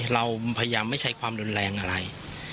เราพยายามไม่ใช้ความรุนแรงอะไร